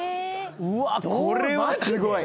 うわこれはすごい！